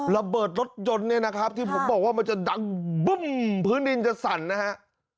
ระเบิดรถยนต์ที่ผมบอกว่ามันจะดังบุ้มพื้นดินจะสั่นนะครับ